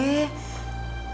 sampai cowok di mana